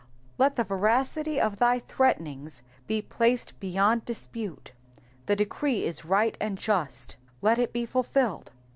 Let the veracity of thy threatenings be placed beyond dispute, the decree is right and just, let it be fulfilled.